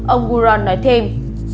ông gouraud nói thêm